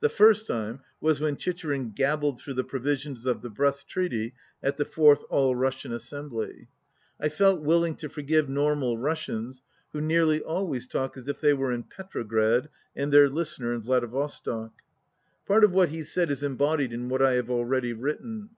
The first time was when Chicherin gabbled through the provisions of the Brest Treaty at the fourth All Russian As sembly.) I felt willing to forgive normal Rus sians, who nearly always talk as if they were in Petrograd and their listener in Vladivostok. Part of what he said is embodied in what I have already written.